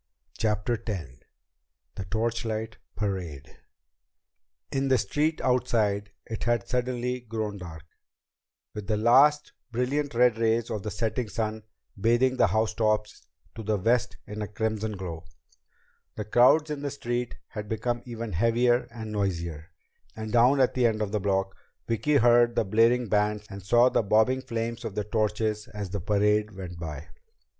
CHAPTER X The Torchlight Parade In the street outside it had suddenly grown dark, with the last, brilliant red rays of the setting sun bathing the housetops to the west in a crimson glow. The crowds in the street had become even heavier and noisier, and down at the end of the block, Vicki heard the blaring bands and saw the bobbing flames of the torches as the parade went by.